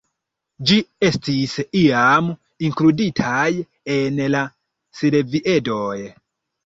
Ĝi estis iam inkluditaj en la Silviedoj.